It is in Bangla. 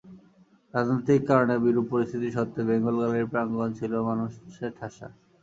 রাজনৈতিক কারণে বিরূপ পরিস্থিতি সত্ত্বেও বেঙ্গল গ্যালারি প্রাঙ্গণ ছিল মানুষে ঠাসা।